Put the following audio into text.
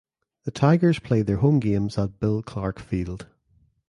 The Tigers played their home games at Bill Clarke Field.